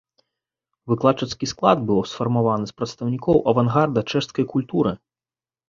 Выкладчыцкі склад быў сфарміраваны з прадстаўнікоў авангарда чэшскай культуры.